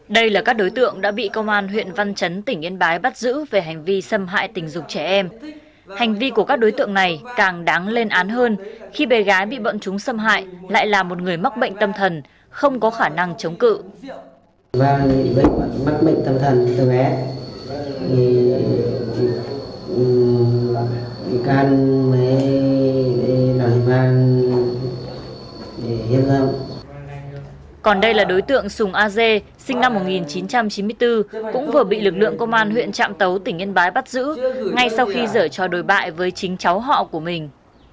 đối tượng sùng a dê sinh năm một nghìn chín trăm chín mươi bốn cũng vừa bị lực lượng công an huyện trạm tấu tỉnh yên bái bắt giữ ngay sau khi dở cho đối bại với chính cháu họ của mình